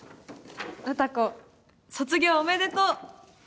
詩子卒業おめでとう！